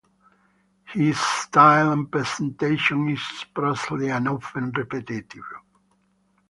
His style and presentation is prolix and often repetitive.